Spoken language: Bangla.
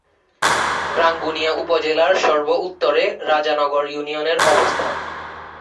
রাঙ্গুনিয়া উপজেলার সর্ব-উত্তরে রাজানগর ইউনিয়নের অবস্থান।